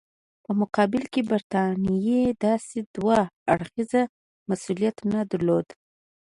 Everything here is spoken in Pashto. په مقابل کې برټانیې داسې دوه اړخیز مسولیت نه درلود.